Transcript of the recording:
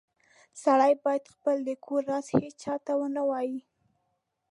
سړی باید خپل د کور راز هیچاته و نه وایې